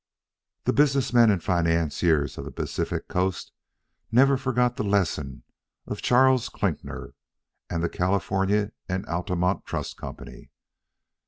The business men and financiers of the Pacific coast never forgot the lesson of Charles Klinkner and the California & Altamont Trust Company.